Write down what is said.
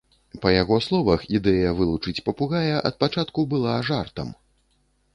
Па яго словах, ідэя вылучыць папугая ад пачатку была жартам.